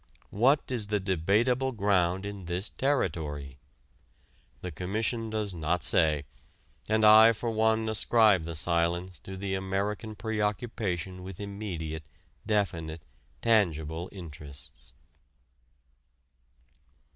What is the debatable ground in this territory? The Commission does not say, and I for one, ascribe the silence to the American preoccupation with immediate, definite, tangible interests.